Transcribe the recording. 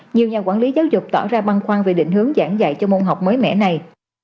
nhiều nhà quản lý giáo dục tỏ ra băng khoăn về định hướng giảng dạy cho môn học mới mẻ này